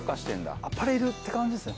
中丸：アパレルって感じですね